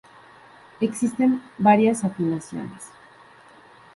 Existen varias afinaciones.